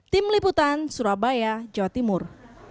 tim liputan surabaya jawa timur